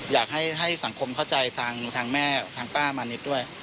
อยากให้สังคมเข้าใจทางแม่ทางป้ามานิดด้วย